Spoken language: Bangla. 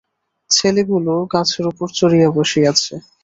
ছেলেগুলো গাছের উপর চড়িয়া বসিয়াছে।